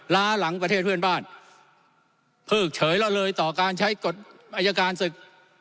ล้าหลังประเทศเพื่อนบ้านเพิกเฉยละเลยต่อการใช้กฎอายการศึก